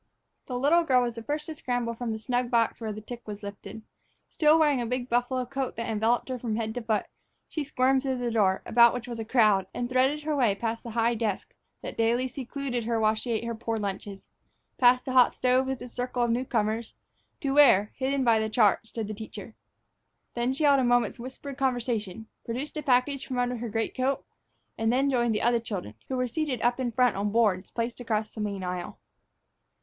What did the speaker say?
The little girl was the first to scramble from the snug box when the tick was lifted. Still wearing a big buffalo coat that enveloped her from head to foot, she squirmed through the door, about which was a crowd, and threaded her way past the high desk that daily secluded her while she ate her poor lunches, past the hot stove with its circle of new comers, to where, hidden by the chart, stood the teacher. There she held a moment's whispered conversation, produced a package from under her greatcoat, and then joined the other children, who were seated up in front on boards placed across the main aisle.